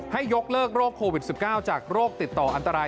ให้ยกเลิกโรคโควิด๑๙จากโรคติดต่ออันตราย